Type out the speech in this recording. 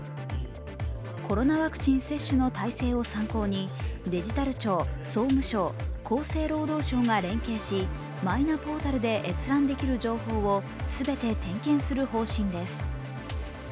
コロナワクチン接種の体制を参考にデジタル庁、総務省、厚生労働省が連携しマイナポータルで閲覧できる情報を全て点検する方針です。